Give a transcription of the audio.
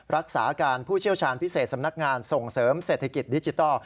รักษาการผู้เชี่ยวชาญพิเศษสำนักงานส่งเสริมเศรษฐกิจดิจิทัล